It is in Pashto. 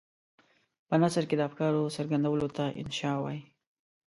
په نثر کې د افکارو څرګندولو ته انشأ وايي.